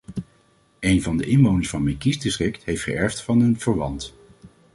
Een van de inwoners van mijn kiesdistrict heeft geërfd van een verwant.